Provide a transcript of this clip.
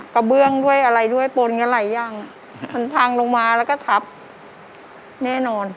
กระเบื้องด้วยอะไรด้วยปนกันหลายอย่างมันพังลงมาแล้วก็ทับแน่นอน